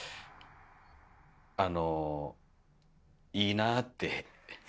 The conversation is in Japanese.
あのいいなって。